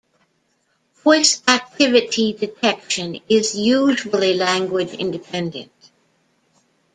Voice activity detection is usually language independent.